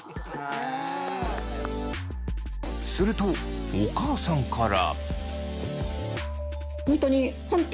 するとお母さんから。